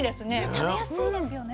食べやすいですよね